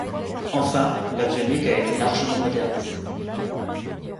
Enfin, l'avionique a été largement modernisée.